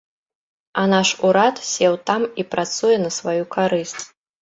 А наш урад сеў там і працуе на сваю карысць.